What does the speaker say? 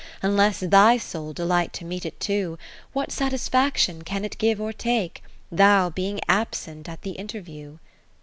Unless thy soul delight to meet it too, What satisfaction can it give or take. Thou being absent at the inter view?